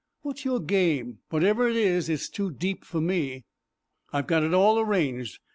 "What's your game? Whatever it is, it is too deep for me." "I've got it all arranged.